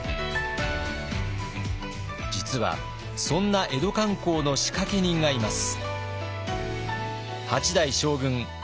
実はそんな江戸観光の仕掛け人がいます。